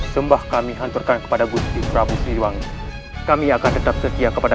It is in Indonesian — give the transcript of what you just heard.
sembah kami hancurkan kepada gusti prabu siliwangi kami akan tetap setia kepada